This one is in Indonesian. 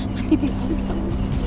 mati dia panggung